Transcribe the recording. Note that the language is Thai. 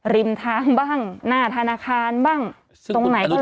ริมทางบ้างหน้าธนาคารบ้างตรงไหนก็แล้วแค่นี้